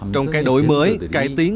trong cái đổi mới cải tiến